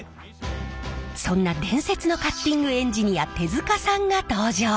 そんな伝説のカッティングエンジニア手塚さんが登場！